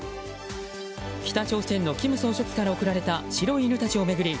北朝鮮の金総書記から贈られた白い犬たちを巡り